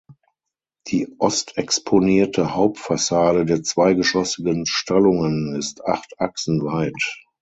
Die ostexponierte Hauptfassade der zweigeschossigen Stallungen ist acht Achsen weit.